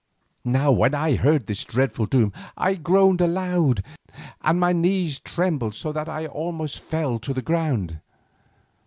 '" Now when I heard this dreadful doom I groaned aloud and my knees trembled so that I almost fell to the ground.